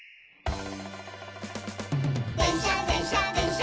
「でんしゃでんしゃでんしゃっ